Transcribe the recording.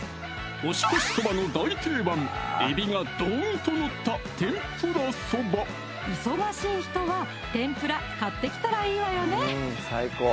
年越しそばの大定番えびがドンと載った忙しい人は天ぷら買ってきたらいいわよね